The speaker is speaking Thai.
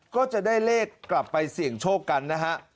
ก็จะได้เลขกลับไปเสี่ยงโชคกันนะฮะ